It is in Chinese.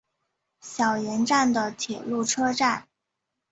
小岩站的铁路车站。